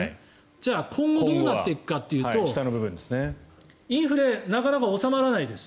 じゃあ、今後どうなっていくかというとインフレなかなか収まらないです。